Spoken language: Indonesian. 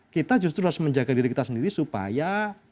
kita justru harus menjaga diri kita sendiri supaya